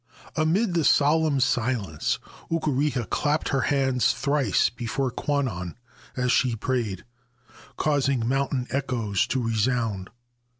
Amid the solemn silence Okureha clapped her hands thrice before Kwannon as she prayed, causing mountain echoes to resound.